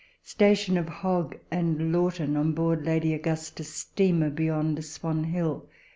Station of Hogg and Lawton, On board Lady Augusta steamer, beyond Swan Hill.